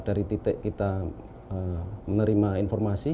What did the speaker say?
dari titik kita menerima informasi